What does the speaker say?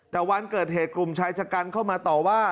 แต่วันเกิดเหตุกลุ่มชายชะกันเข้ามาต่อว่า